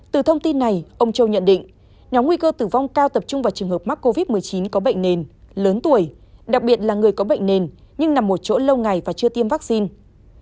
từ thông tin này ông châu nhận định nhóm nguy cơ tử vong cao tập trung vào trường hợp mắc covid một mươi chín có bệnh nền lớn tuổi đặc biệt là người có bệnh nền nhưng nằm ở chỗ lâu ngày và chưa tiêm vaccine